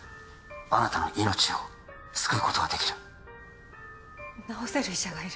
あなたの命を救うことができる治せる医者がいる？